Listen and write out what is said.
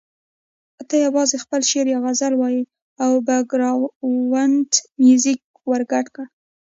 ته یوازې خپل شعر یا غزل وایه او بېکګراونډ میوزیک ورګډ کړه.